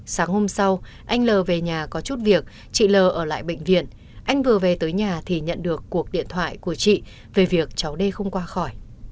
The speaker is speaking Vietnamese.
sáng hôm sau anh l về nhà có chút việc chị l ở lại bệnh viện anh vừa về tới nhà thì nhận được cuộc điện thoại của chị về việc cháu đê không qua khỏi